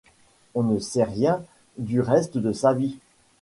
On ne sait rien du reste de sa vie.